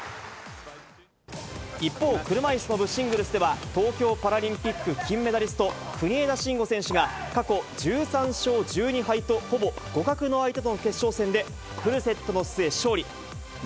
一方、車いすの部シングルスでは、東京パラリンピック金メダリスト、国枝慎吾選手が過去１３勝１２敗とほぼ互角の相手との決勝戦で、フルセットの末、勝利。